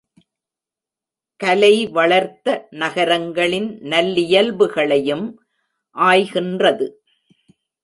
கலை வளர்த்த நகரங்களின் நல்லியல்புகளையும் ஆய்கின்றது.